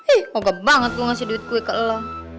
ih moga banget gue kasih duit gue ke elo